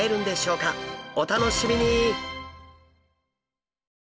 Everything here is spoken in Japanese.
お楽しみに。